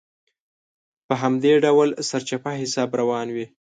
په همدې ډول سرچپه حساب روان وي.